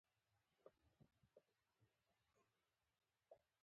د ظلم خاموش لیدونکی شریکه ګناه کوي.